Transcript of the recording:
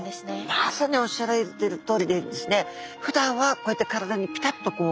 まさにおっしゃられてるとおりですねふだんはこうやって体にピタッと。